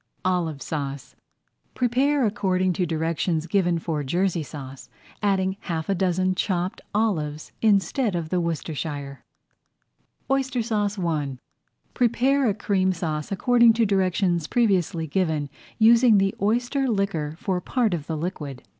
OLIVE SAUCE Prepare according to directions given for Jersey Sauce, adding half a dozen chopped olives instead of the Worcestershire. [Page 32] OYSTER SAUCE I Prepare a Cream Sauce according to directions previously given, using the oyster liquor for part of the liquid.